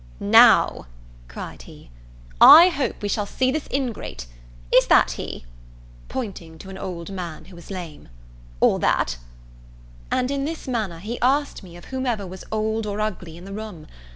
"Now," cried he, "I hope we shall see this ingrate. Is that he?" pointing to an old man who was lame, "or that?" And in this manner he asked me of whoever was old or ugly in the room.